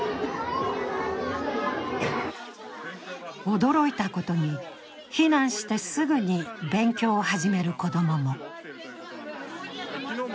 驚いたことに、避難してすぐに勉強を始める子供も。